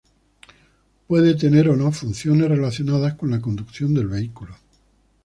Puede tener o no funciones relacionadas con la conducción del vehículo.